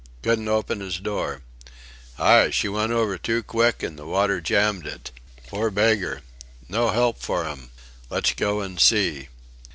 Couldn't open his door... Aye! She went over too quick and the water jammed it... Poor beggar!... No help for 'im.... Let's go and see..."